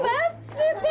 masuk cepat siti